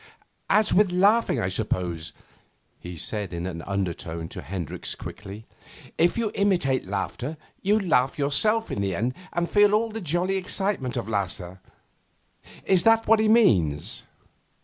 'As with laughing, I suppose?' he said in an undertone to Hendricks quickly. 'If you imitate a laugher, you laugh yourself in the end and feel all the jolly excitement of laughter. Is that what he means?